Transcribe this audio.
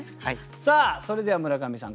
さあそれでは村上さん